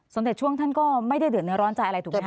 เด็จช่วงท่านก็ไม่ได้เดือดเนื้อร้อนใจอะไรถูกไหมค